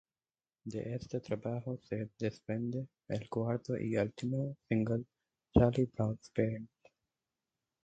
De este trabajo se desprende el cuarto y último single "Charlie Brown´s parents".